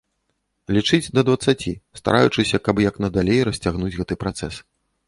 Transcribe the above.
Лічыць да дваццаці, стараючыся, каб як надалей расцягнуць гэты працэс.